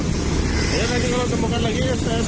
kalau ditemukan lagi saya selalu selalu tes lagi